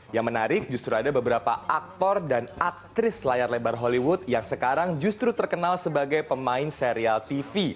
yang menarik justru ada beberapa aktor dan aktris layar lebar hollywood yang sekarang justru terkenal sebagai pemain serial tv